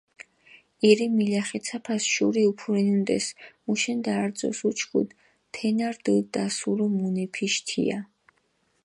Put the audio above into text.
ირი მილახეცაფას შური უფურინუნდეს, მუშენდა არძოს უჩქუდჷ, თენა რდჷ დასურო მუნეფიშ თია.